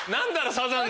サザンの。